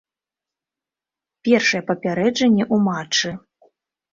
Першае папярэджанне ў матчы.